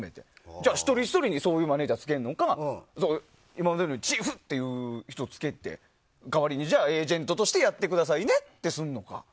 じゃあ、一人ひとりにマネジャーをつけるのか今までのようにチーフという人をつけて代わりにエージェントとしてやってくださいねってするのか。